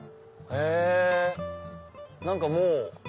へぇ何かもう。